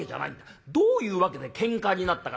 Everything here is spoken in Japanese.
どういうわけでけんかになったか」。